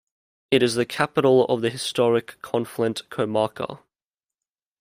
It is the capital of the historical Conflent comarca.